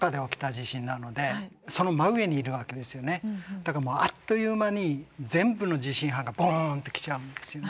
だからもうあっという間に全部の地震波がボンって来ちゃうんですよね。